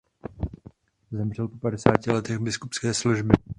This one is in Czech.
Zemřel po padesáti letech biskupské služby.